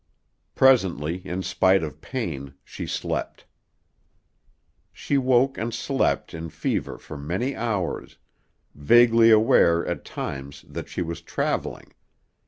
Presently, in spite of pain, she slept. She woke and slept in fever for many hours, vaguely aware, at times, that she was traveling.